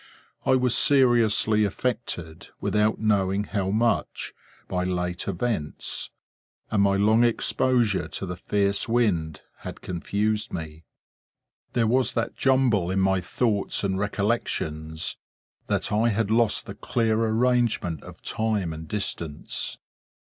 I was seriously affected, without knowing how much, by late events; and my long exposure to the fierce wind had confused me. There was that jumble in my thoughts and recollections, that I had lost the clear arrangement of time and distance.